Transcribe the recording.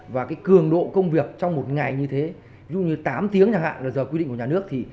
và cường độ công việc trong một ngày như thế ví dụ như tám tiếng là giờ quy định của nhà nước